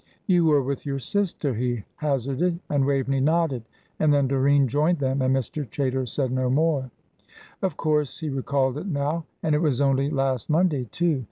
"You were with your sister," he hazarded, and Waveney nodded; and then Doreen joined them, and Mr. Chaytor said no more. Of course he recalled it now, and it was only last Monday too.